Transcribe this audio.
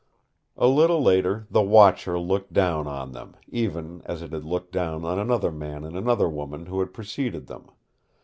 A little later the Watcher looked down on them, even as it had looked down on another man and another woman who had preceded them.